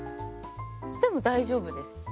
でも大丈夫です。